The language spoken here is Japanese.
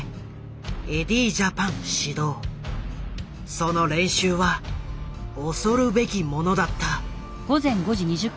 その練習は恐るべきものだった。